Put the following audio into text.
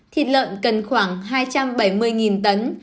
thịt lợn cần khoảng hai trăm bảy mươi tấn